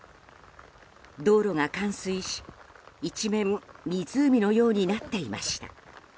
道路が冠水し一面湖のようになっていました。